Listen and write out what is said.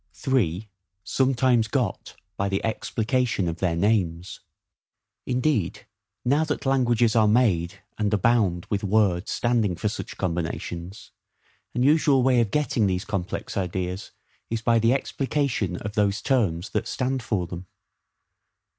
3. Sometimes got by the Explication of their Names. Indeed, now that languages are made, and abound with words standing for such combinations, an usual way of GETTING these complex ideas is, by the explication of those terms that stand for them.